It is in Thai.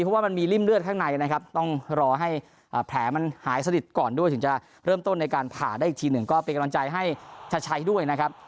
เพราะว่ามันมีริ่มเลือดข้างในนะครับต้องรอให้แผลมันหายสนิทก่อนด้วยถึงจะเริ่มต้นในการผ่าได้อีกทีหนึ่งก็เป็นกำลังใจให้ชัดชัยด้วยนะครับ